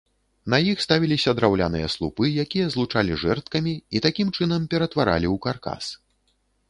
На іх ставіліся драўляныя слупы, якія злучалі жэрдкамі і такім чынам ператваралі ў каркас.